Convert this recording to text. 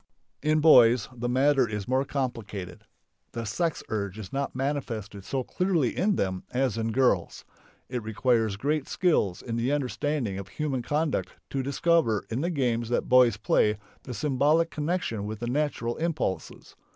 In boys the matter is more complicated. The sex urge is not manifested so clearly in them as in girls. It requires great skill in the understanding of human conduct to discover in the games that boys play the symbolic connection with the natural impulses.